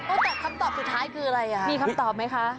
ตอบคำตอบสุดท้ายคืออะไรอ่ะมีคำตอบไหมคะ